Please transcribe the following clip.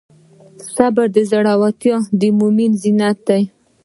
د صبر زړورتیا د مؤمن زینت دی.